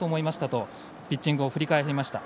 そうピッチングを振り返りました。